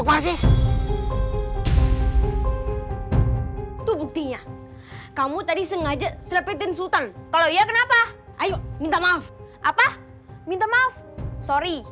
hai itu buktinya ngomong tadi sengaja sepebett cubakhrepresented kalau ya kenapa minta maal apa minta maaf sorry